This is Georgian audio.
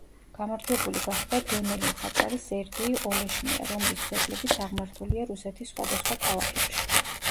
გამარჯვებული გახდა დონელი მხატვარი სერგეი ოლეშნია, რომლის ძეგლებიც აღმართულია რუსეთის სხვადასხვა ქალაქებში.